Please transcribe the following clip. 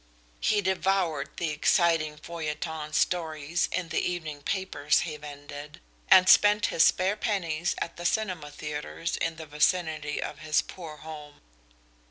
He devoured the exciting feuilleton stories in the evening papers he vended, and spent his spare pennies at the cinema theatres in the vicinity of his poor home.